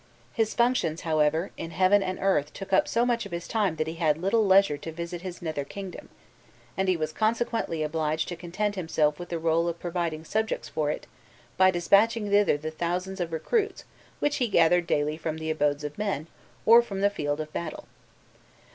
His functions, however, in heaven and earth took up so much of his time that he had little leisure to visit his nether kingdom, and he was consequently obliged to content himself with the role of providing subjects for it by despatching thither the thousands of recruits which he gathered daily from the abodes of men or from the field of battle.